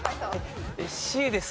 Ｃです。